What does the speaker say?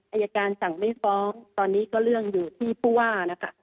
อายการสั่งไม่ฟ้องตอนนี้ก็เรื่องอยู่ที่ผู้ว่านะคะ